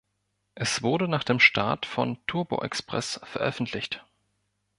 Es wurde nach dem Start von TurboExpress veröffentlicht.